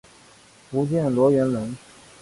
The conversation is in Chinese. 福建罗源人。